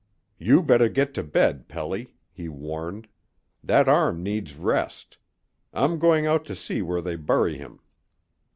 "You better get to bed, Pelly," he warned. "That arm needs rest. I'm going out to see where they bury him."